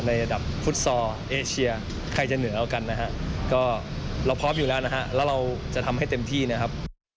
ในระดับฟุตซอลเอเชียใครจะเหนือเอากันนะฮะก็เราพร้อมอยู่แล้วนะฮะแล้วเราจะทำให้เต็มที่นะครับ